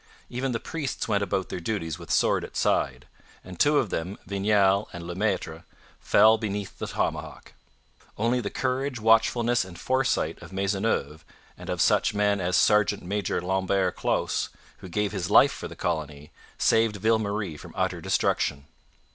Even the priests went about their duties with sword at side; and two of them, Vignal and Le Maitre, fell beneath the tomahawk. Only the courage, watchfulness, and foresight of Maisonneuve and of such men as Sergeant Major Lambert Closse, who gave his life for the colony, saved Ville Marie from utter destruction.